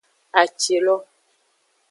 Atilo.